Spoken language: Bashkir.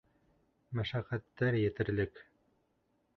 — Мәшәҡәттәр етерлек.